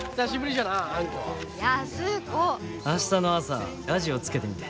明日の朝ラジオつけてみて。